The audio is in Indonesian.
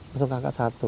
masuk angkat satu